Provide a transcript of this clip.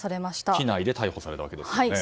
機内で逮捕されたわけですね。